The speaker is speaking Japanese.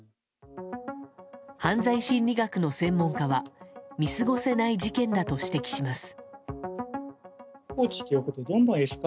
犯罪心理学の専門家は見過ごせない事件だと指摘します。